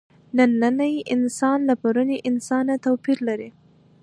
نننی انسان له پروني انسانه توپیر لري.